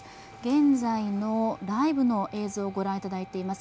現在のライブの映像をご覧いただいています。